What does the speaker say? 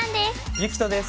ゆきとです！